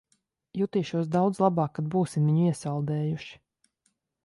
Jutīšos daudz labāk, kad būsim viņu iesaldējuši.